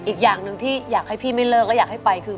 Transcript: อีกอย่างหนึ่งที่อยากให้พี่ไม่เลิกและอยากให้ไปคือ